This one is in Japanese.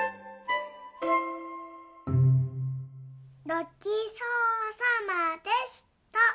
ごちそうさまでした。